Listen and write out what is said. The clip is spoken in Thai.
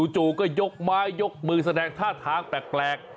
จู่ก็ยกไม้ยกมือแสดงท่าทางแปลก